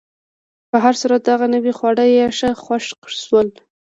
په هر صورت، دغه نوي خواړه یې ښه خوښ شول.